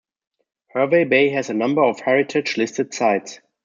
Hervey Bay has a number of heritage-listed sites.